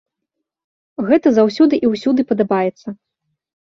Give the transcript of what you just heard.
Гэта заўсёды і ўсюды падабаецца.